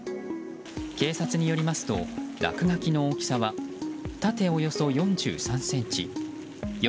警察によりますと落書きの大きさは縦およそ４３ｃｍ横